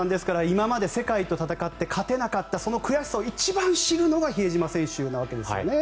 今まで世界と戦って勝てなかったその悔しさを一番知るのが比江島選手なわけですよね。